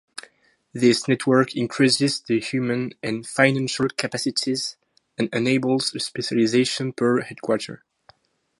This network increases the human and financial capacities and enables a specialization per headquarter.